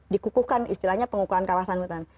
dikukuhkan istilahnya pengukuhan kawasan hutan